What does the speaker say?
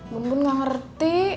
bun bun gak ngerti